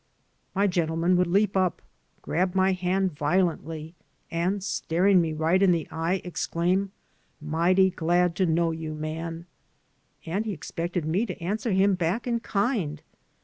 My gentleman would leap up, grab my hand violently, and, staring me right in the eye, exclaim, "Mighty glad to know you, man." And he expected me to answer him back in kind.